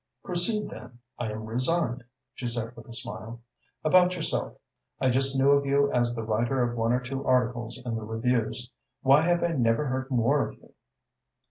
"Proceed, then. I am resigned," she said with a smile. "About yourself. I just knew of you as the writer of one or two articles in the reviews. Why have I never heard more of you?"